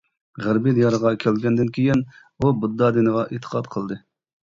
غەربىي دىيارغا كەلگەندىن كېيىن ئۇ بۇددا دىنىغا ئېتىقاد قىلدى.